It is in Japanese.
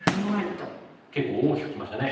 結構大きくきましたね。